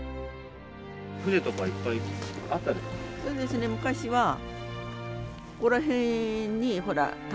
船とかいっぱいあった？